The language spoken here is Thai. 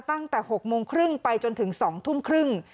ตั้งแต่๖โมงครึ่งไปจนถึง๒ทุ่มครึ่ง